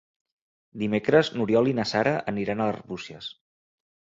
Dimecres n'Oriol i na Sara aniran a Arbúcies.